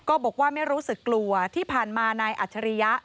บอกว่าไม่รู้สึกกลัวที่ผ่านมานายอัจฉริยะ